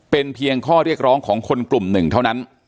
เป็นเพียงข้อเรียกร้องของคนกลุ่มหนึ่งเท่านั้น